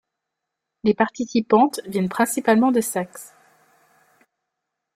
Les participantes viennent principalement de Saxe.